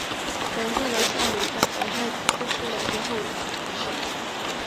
隆重的葬礼在皇太子去世两天后举行。